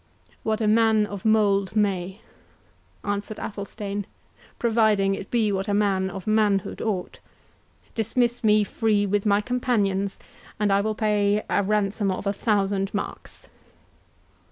"What a man of mould may," answered Athelstane, "providing it be what a man of manhood ought.—Dismiss me free, with my companions, and I will pay a ransom of a thousand marks."